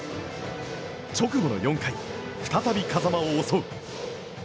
直後の４回、再び風間を襲う。